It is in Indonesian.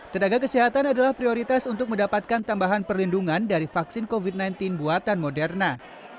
tenaga kesehatan adalah prioritas untuk mendapatkan tambahan perlindungan dari vaksin covid sembilan belas buatan moderna